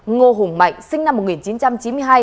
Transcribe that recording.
ngô hùng mạnh sinh năm một nghìn chín trăm chín mươi hai